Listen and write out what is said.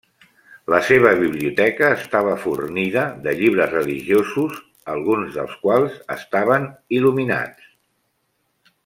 La seva biblioteca estava fornida de llibres religiosos alguns dels quals estaven il·luminats.